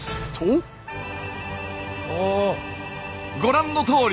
ご覧のとおり。